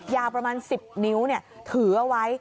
ยาวประมาณ๑๐นิ้วถือเอาไว้